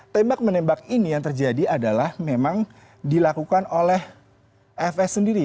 tembak menembak ini yang terjadi adalah memang dilakukan oleh fs sendiri